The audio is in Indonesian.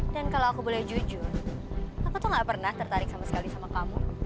dan kalau aku boleh jujur aku tuh nggak pernah tertarik sama sekali sama kamu